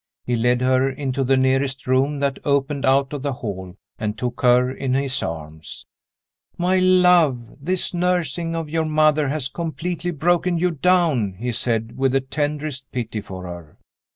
He led her into the nearest room that opened out of the hall, and took her in his arms. "My love, this nursing of your mother has completely broken you down!" he said, with the tenderest pity for her.